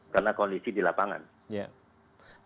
karena kondisi di lapangan